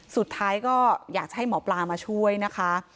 สุดท้ายก็อยากจะให้หมอปลามาช่วยนะคะ